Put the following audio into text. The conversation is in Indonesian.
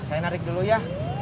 saya narik dulu ya